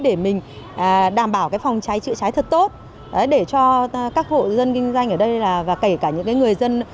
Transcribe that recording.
để mình đảm bảo phòng cháy chữa cháy thật tốt để cho các hộ dân kinh doanh ở đây và kể cả những người dân